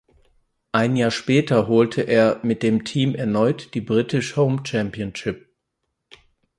Ein Jahr später holte er mit dem Team erneut die British Home Championship.